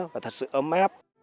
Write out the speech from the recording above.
và thật sự ấm áp